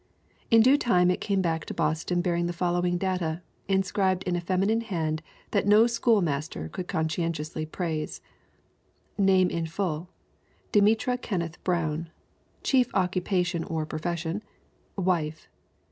In due time it came back to Boston bearing the following data, inscribed in a feminine hand that no school master could conscien tiously praise : Name in full: Demetra Kenneth Brown. Chief occupation or profession: Wife.